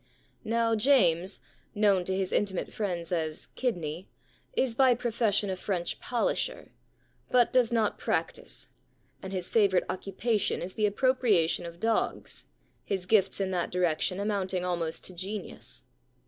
Now James, known to his intimate friends as Kidney,*' is by profession a French polisher, 56 The Free Meal Problem but does not practice, and his favourite occupation is the appropriation of dogs, his gifts in that direction amounting almost to genius.